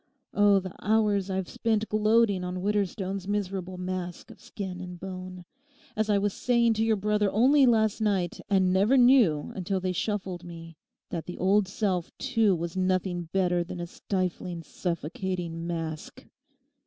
Oh, the hours I've spent gloating on Widderstone's miserable mask of skin and bone, as I was saying to your brother only last night, and never knew until they shuffled me that the old self too was nothing better than a stifling suffocating mask.